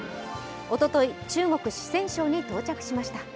おととい、中国・四川省に到着しました。